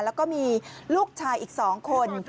แล้วก็มีลูกชายอีก๒คน